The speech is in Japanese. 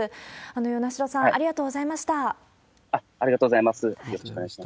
与那城さん、ありがとうございました。